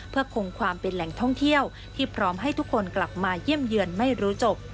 เพื่อคงความเป็นแหล่งท่องเที่ยวที่พร้อมให้ทุกคนกลับมาเยี่ยมเยือนไม่รู้จบ